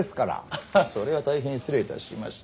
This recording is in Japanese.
アハッそれは大変失礼いたしました。